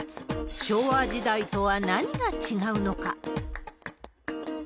昭和時代とは何が違うのか。